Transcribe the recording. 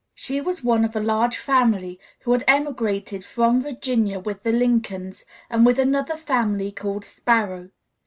] She was one of a large family who had emigrated from Virginia with the Lincolns and with another family called Sparrow.